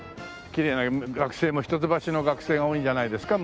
きれいな学生も一橋の学生が多いんじゃないですか？